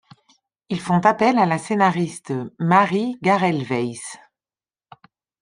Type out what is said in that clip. Ils font appel à la scénariste Marie Garel-Weiss.